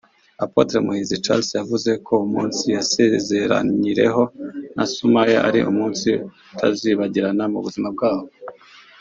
Apotre Muhizi Charles yavuze ko umunsi yasezeranyireho na Sumaya ari umunsi utazibagirana mu buzima bwabo